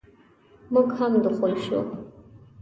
موږ هم دخول شوو.